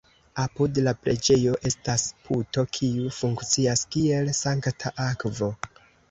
Apud la preĝejo estas puto, kiu funkcias kiel sankta akvo.